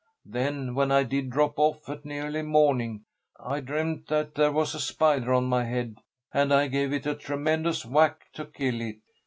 Then when I did drop off at nearly morning, I dreamed that there was a spider on my head, and I gave it a tremendous whack to kill it.